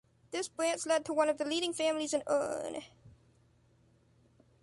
This branch led to one of the leading families in Urn.